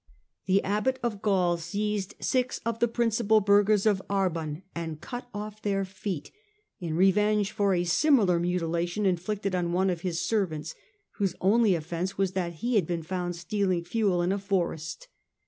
The Abbot of Gall seized six of the principal burghers of Arbon and cut off their feet, in revenge for a similar mutilation inflicted on one of his servants, whose only offence was that he had been found stealing fuel in a forest.